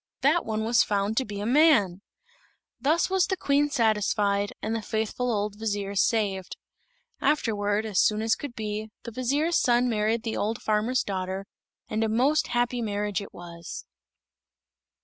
That one was found to be a man! Thus was the Queen satisfied, and the faithful old vizier saved. Afterward, as soon as could be, the vizier's son married the old farmer's daughter; and a most happy marriage it was.